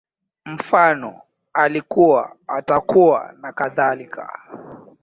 Mfano, Alikuwa, Atakuwa, nakadhalika